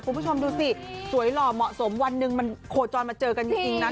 คุณผู้ชมดูสิสวยหล่อเหมาะสมวันหนึ่งมันโคจรมาเจอกันจริงนะ